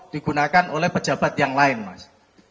digunakan oleh pejabat yang lain mas